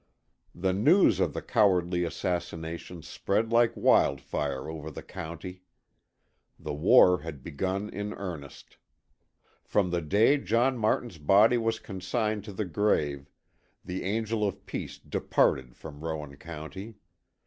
The news of the cowardly assassination spread like wildfire over the county. The war had begun in earnest. From the day John Martin's body was consigned to the grave, the angel of peace departed from Rowan County.